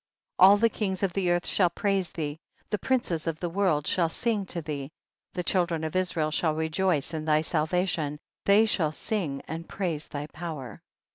4. All the kings of the earth shall praise thee, the princes of the world shall sing to thee, the children of Is rael shall rejoice in thy salvation, they shall sing and praise thy power.